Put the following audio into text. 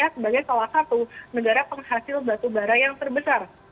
sebagai salah satu negara penghasil batubara yang terbesar